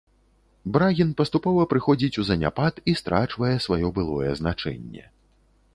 Брагін паступова прыходзіць у заняпад і страчвае сваё былое значэнне.